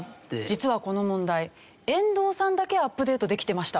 実はこの問題遠藤さんだけアップデートできてました。